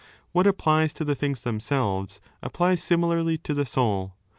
What applies to the things themselves, applies similarly to the soul.